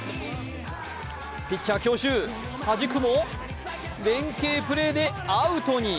ピッチャー強襲、はじくも連係プレーでアウトに。